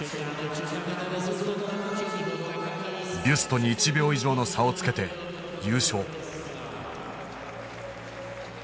ビュストに１秒以上の差をつけて優勝。